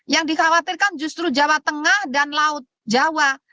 yang dikhawatirkan justru jawa tengah dan laut jawa